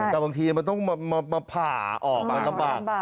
แต่บางทีมันต้องมาผ่าออกมันลำบาก